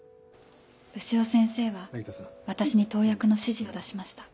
潮先生は私に投薬の指示を出しました。